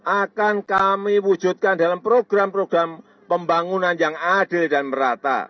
akan kami wujudkan dalam program program pembangunan yang adil dan merata